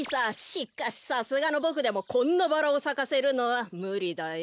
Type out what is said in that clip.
しかしさすがのボクでもこんなバラをさかせるのはむりだよ。